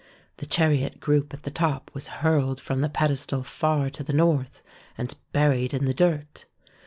The chariot group at the top was hurled from the pedestal far to the north, and buried in the dirt.